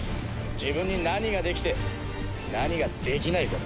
自分に何ができて何ができないかだ。